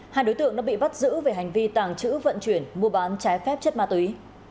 hai đối tượng đã bị bắt giữ về hành vi tàng trữ vận chuyển mua bán trái phép chất ma túy